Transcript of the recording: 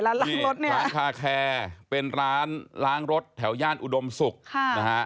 ขวางคาแคร์เป็นร้านล้างรถแถวย่านอุดมศุกร์นะฮะ